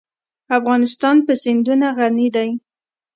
افغانستان په سیندونه غني دی.